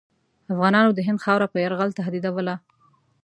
افغانانو د هند خاوره په یرغل تهدیدوله.